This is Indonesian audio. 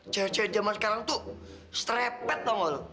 cewek cewek zaman sekarang tuh strepet banget